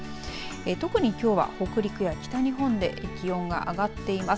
特にきょうは北陸や北日本で気温が上がっています。